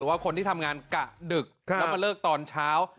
ว่าคนที่ทำงานกะดึกแล้วมาเลิกตอนเช้า